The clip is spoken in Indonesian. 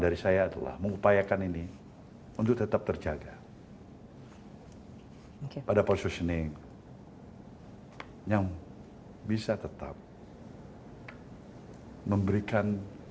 dari saya adalah mengupayakan ini untuk tetap terjaga pada positioning yang bisa tetap memberikan